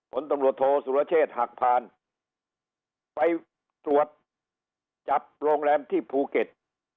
ผลตำรวจโทษสุรเชษฐ์หักพานไปตรวจจับโรงแรมที่ภูเก็ต